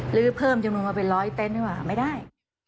หรือเพิ่มจำนวนมาไป๑๐๐เต็นต์ด้วยหรือเปล่าไม่ได้